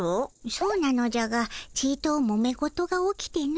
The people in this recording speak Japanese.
そうなのじゃがちともめ事が起きての。